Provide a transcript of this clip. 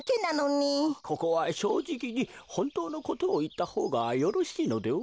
ここはしょうじきにほんとうのことをいったほうがよろしいのでは？